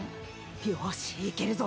よしいけるぞ。